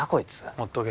ほっとけ。